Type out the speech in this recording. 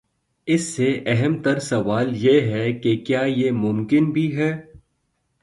اس سے اہم تر سوال یہ ہے کہ کیا یہ ممکن بھی ہے؟